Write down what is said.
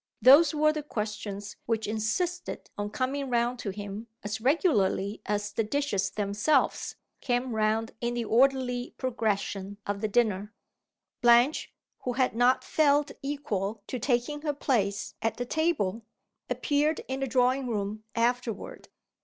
Those were the questions which insisted on coming round to him as regularly as the dishes themselves came round in the orderly progression of the dinner. Blanche who had not felt equal to taking her place at the table appeared in the drawing room afterward.